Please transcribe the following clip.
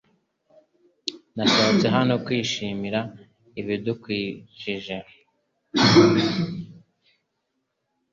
Nasohotse hano kwishimira ibidukikije .